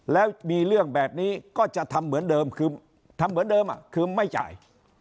แล้วมีเรื่องแบบนี้ก็จะทำเหมือนเดิมคือทำเหมือนเดิมคือไม่จ่าย